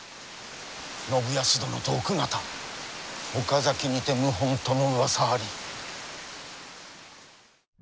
信康殿と奥方岡崎にて謀反とのうわさあり。